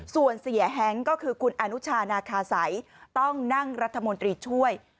ส่วนเสียแฮงก็คือคุณอนุชานาคาสัยต้องนั่งรัฐมนตรีช่วย